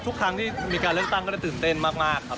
ทุกครั้งที่มีการเลือกตั้งก็จะตื่นเต้นมากครับ